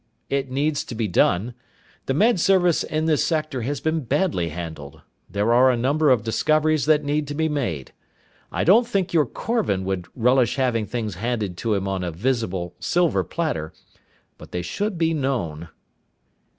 It needs to be done. The Med Service in this sector has been badly handled. There are a number of discoveries that need to be made. I don't think your Korvan would relish having things handed to him on a visible silver platter. But they should be known...."